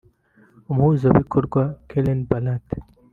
umuhuzabikorwa; Kallen Barad